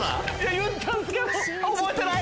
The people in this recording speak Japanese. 言ったんですけど覚えてない。